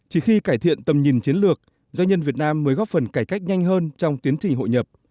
chỉ khi cải thiện tầm nhìn chiến lược doanh nhân việt nam mới góp phần cải cách nhanh hơn trong tiến trình hội nhập